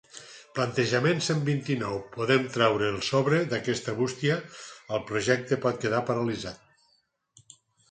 Plantejament cent vint-i-nou podem treure el sobre d'aquesta bústia el projecte pot quedar paralitzat.